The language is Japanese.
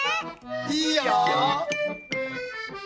いいよ。